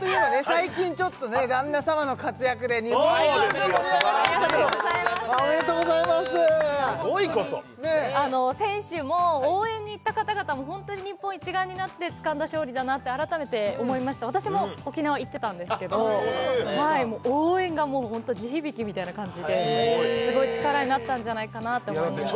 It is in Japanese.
最近旦那様の活躍で日本中が盛り上がりましたけどおめでとうございますすごいこと選手も応援に行った方々もホントに日本一丸になってつかんだ勝利だなって改めて思いました私も沖縄行ってたんですけど応援がもうホント地響きみたいな感じですごい力になったんじゃないかなって思います